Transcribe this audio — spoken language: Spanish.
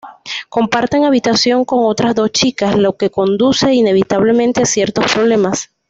Comparten habitación con otras dos chicas, lo que conduce inevitablemente a ciertos problemas.